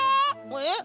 えっ？